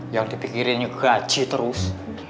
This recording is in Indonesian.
yang dipikirin gaji terus